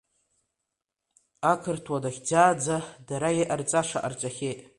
Ақырҭуа дахьӡаанӡа дара иҟарҵаша ҟарҵахьеит.